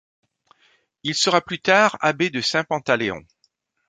Il sera plus tard abbé de Saint-Pantaleon.